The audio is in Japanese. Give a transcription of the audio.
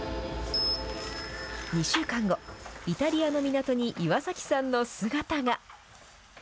２週間後、イタリアの港に岩崎さんの姿が。